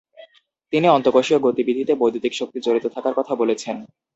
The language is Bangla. তিনি অন্তঃকোষীয় গতিবিধিতে বৈদ্যুতিক শক্তি জড়িত থাকার কথা বলেছেন।